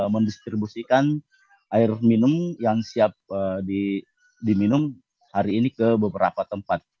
mendistribusikan air minum yang siap diminum hari ini ke beberapa tempat